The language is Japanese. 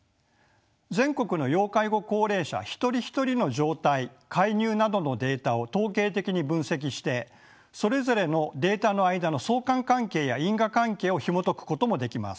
全国の要介護高齢者一人一人の状態介入などのデータを統計的に分析してそれぞれのデータの間の相関関係や因果関係をひもとくこともできます。